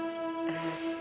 udah terima kasih ya